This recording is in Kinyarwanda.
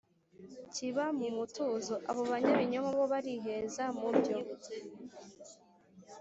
kiba mu mutuzo, abo banyabinyoma bo bariheza. mu byo